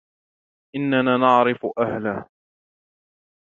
إننا نعرف أهله.